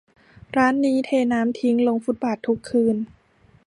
ร้านนี้เทน้ำทิ้งลงฟุตบาททุกคืน